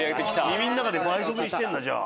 耳の中で倍速にしてんだ。